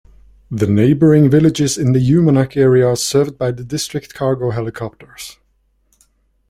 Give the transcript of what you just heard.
The neighbouring villages in the Uummannaq area are served by district cargo helicopters.